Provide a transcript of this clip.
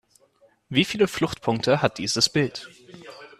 Wie viele Fluchtpunkte hat dieses Bild?